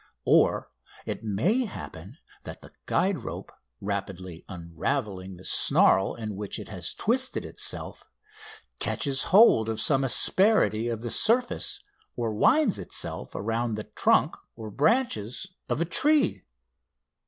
Or it may happen that the guide rope, rapidly unravelling the snarl in which it has twisted itself, catches hold of some asperity of the surface or winds itself around the trunk or branches of a tree.